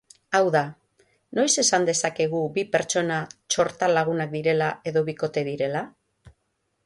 Hau da, noiz esan dezakegu bi pertsona txortalagunak direla edo bikote direla?